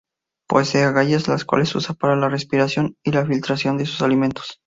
Posee agallas, las cuales usa para la respiración y la filtración de sus alimentos.